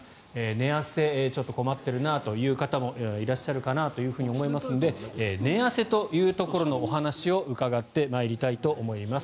寝汗、困っているなという方もいらっしゃるかなと思いますので寝汗というところのお話を伺ってまいりたいと思います。